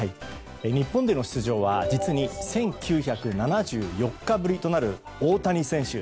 日本での出場は実に１９７４日ぶりとなる大谷選手。